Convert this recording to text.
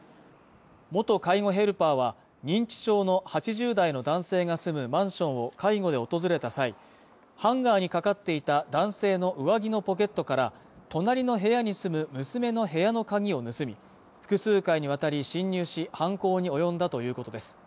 元介護ヘルパーは、認知症の８０代の男性が住むマンションを介護で訪れた際、ハンガーにかかっていた男性の上着のポケットから隣の部屋に住む娘の部屋の鍵を盗み、複数回にわたり侵入し、犯行に及んだということです。